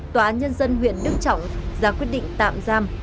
tòa án nhân dân huyện đức trọng ra quyết định tạm giam